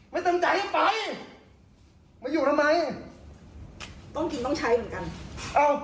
ไม่ตั้งใจให้ไปมาอยู่ทำไมต้องกินต้องใช้เหมือนกันเอ้า